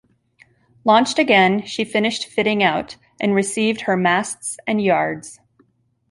Launched again, she finished fitting out, and received her masts and yards.